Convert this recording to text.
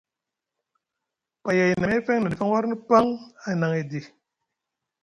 Payay na meefeŋ na ɗif aŋ warni paŋ a hinaŋ edi.